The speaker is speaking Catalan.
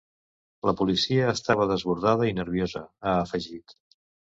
La policia estava desbordada i nerviosa, ha afegit.